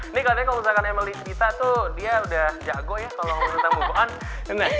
ini katanya kalau misalkan emily kita tuh dia udah jago ya kalau ngomongin tentang move on